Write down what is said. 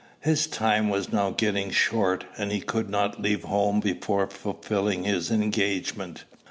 His time was now getting short, and he could not leave home before fulfilling his engagement.